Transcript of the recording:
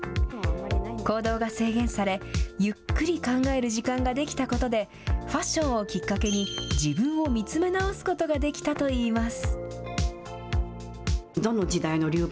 行動が制限され、ゆっくり考える時間ができたことでファッションをきっかけに自分を見つめ直すことができたと言います。